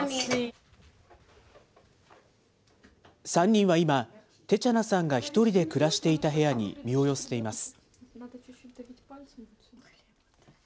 ３人は今、テチャナさんが１人で暮らしていた部屋に身を寄せています。